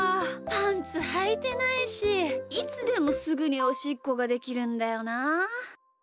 パンツはいてないしいつでもすぐにおしっこができるんだよなあ。